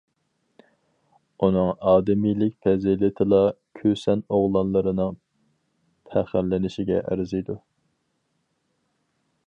ئۇنىڭ ئادىمىيلىك پەزىلىتىلا كۈسەن ئوغلانلىرىنىڭ پەخىرلىنىشىگە ئەرزىيدۇ.